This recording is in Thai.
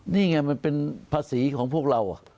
นี่ไงมันเป็นภาษีของพวกเรา